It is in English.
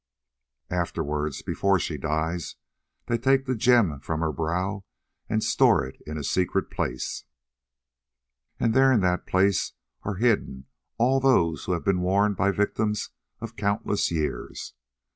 Afterwards, before she dies, they take the gem from her brow and store it in a secret place, and there in that secret place are hidden all those that have been worn by the victims of countless years.